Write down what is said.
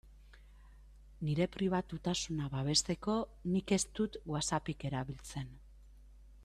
Nire pribatutasuna babesteko nik ez dut WhatsAppik erabiltzen.